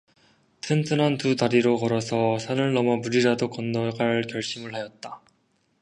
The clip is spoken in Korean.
튼튼한 두 다리로 걸어서 산을 넘어 물이라도 건너갈 결심을 하였다.